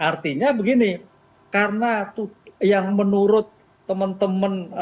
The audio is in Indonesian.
artinya begini karena yang menurut teman teman